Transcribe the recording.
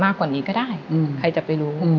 คนอีกก็ได้ใครจะไปรู้